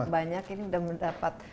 banyak ini udah mendapat